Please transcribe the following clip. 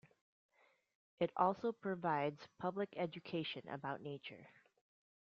It also provides public education about nature.